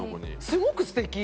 すごく素敵！